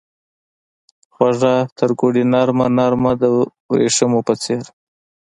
خوږه ترګوړې نرمه ، نرمه دوریښمو په څیر